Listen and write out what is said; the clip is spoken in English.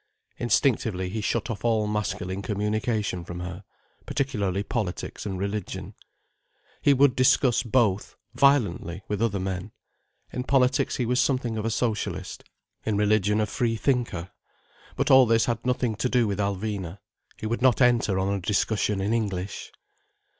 Instinctively he shut off all masculine communication from her, particularly politics and religion. He would discuss both, violently, with other men. In politics he was something of a Socialist, in religion a freethinker. But all this had nothing to do with Alvina. He would not enter on a discussion in English.